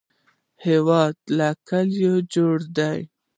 هېواد له کلیو جوړ دی